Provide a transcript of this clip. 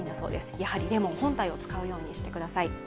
やはりレモン本体を使うようにしてください。